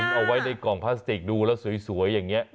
เอาไว้ในกล่องพลาสติกดูแล้วสวยอย่างนี้